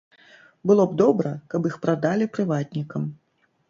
Было б добра, каб іх прадалі прыватнікам.